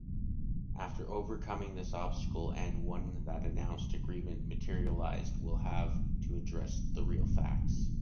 After overcoming this obstacle and one the announced agreement materializes, will have to address the real facts.